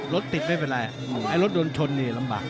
รถติดไม่เป็นไรไอ้รถยนต์ชนนี่ลำบาก